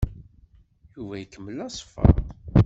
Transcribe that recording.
Yuba ikemmel aṣeffer.